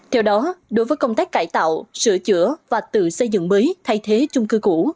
theo đó đối với công tác cải tạo sửa chữa và tự xây dựng mới thay thế chung cư cũ